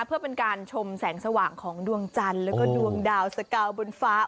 เพื่อเป็นการชมแสงสว่างของดวงจันทร์แล้วก็ดวงดาวสกาวบนฟ้า